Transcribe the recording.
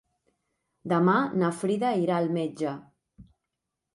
Demà na Frida irà al metge.